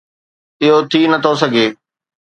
اهو ٿي نٿو سگهي.